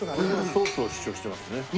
ソースが主張してますね。